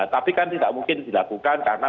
tapi kan tidak mungkin dilakukan karena